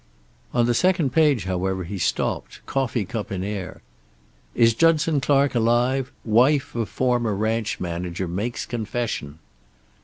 On the second page, however, he stopped, coffee cup in air. "Is Judson Clark alive? Wife of former ranch manager makes confession."